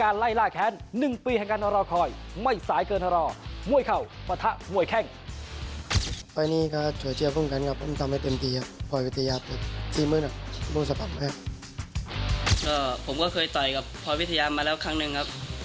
รอมวยเข่าประถะมวยแข้ง